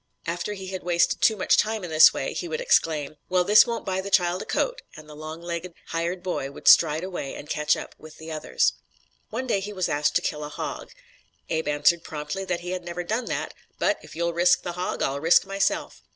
After he had wasted too much time this way, he would exclaim: "'Well, this won't buy the child a coat,' and the long legged hired boy would stride away and catch up with the others." One day when he was asked to kill a hog, Abe answered promptly that he had never done that, "but if you'll risk the hog, I'll risk myself!"